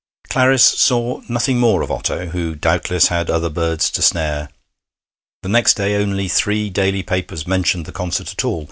Clarice saw nothing more of Otto, who doubtless had other birds to snare. The next day only three daily papers mentioned the concert at all.